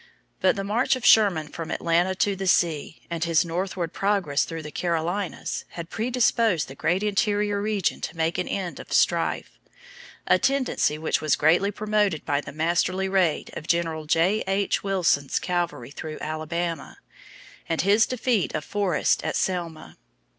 But the march of Sherman from Atlanta to the sea, and his northward progress through the Carolinas, had predisposed the great interior region to make an end of strife: a tendency which was greatly promoted by the masterly raid of General J.H. Wilson's cavalry through Alabama, and his defeat of Forrest at Selma.